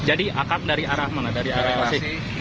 jadi akat dari arah mana dari pasik